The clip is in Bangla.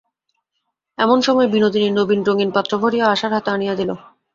এমন সময় বিনোদিনী নবীন রঙিন পাত্র ভরিয়া আশার হাতে আনিয়া দিল।